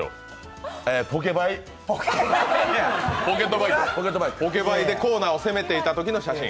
ポケバイでコーナーを攻めていたときの写真？